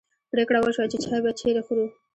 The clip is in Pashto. پرېکړه وشوه چې چای به چیرې خورو.